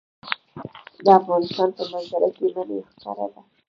د افغانستان په منظره کې منی ښکاره ده.